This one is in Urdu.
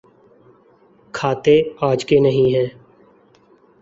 کھاتے آج کے نہیں ہیں۔